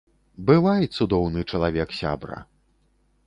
Бывай, цудоўны чалавек сябра.